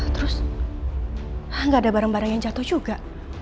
terus nggak ada barang barang yang jatuh juga